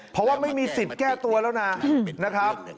เพราะไม่มีสิทธิ์แก้ตัวแล้วนะเป็นเป็นประโยค